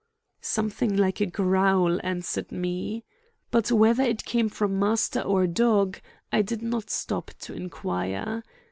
Something like a growl answered me. But whether it came from master or dog, I did not stop to inquire.